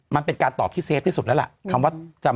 มันเป็นการตอบที่เซฟที่สุดแล้วล่ะ